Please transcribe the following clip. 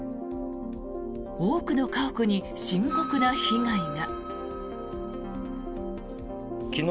多くの家屋に深刻な被害が。